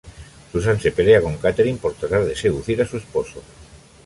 Susan se pelea con Katherine por tratar de seducir a su esposo.